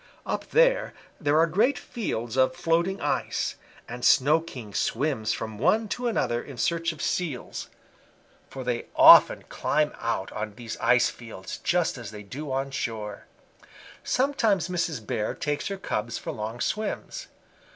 "Up there there are great fields of floating ice, and Snow King swims from one to another in search of Seals, for they often climb out on these ice fields, just as they do on shore. Sometimes Mrs. Bear takes her cubs for long swims.